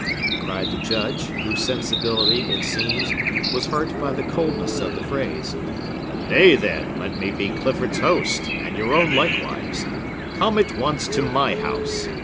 cried the Judge, whose sensibility, it seems, was hurt by the coldness of the phrase. "Nay, then, let me be Clifford's host, and your own likewise. Come at once to my house.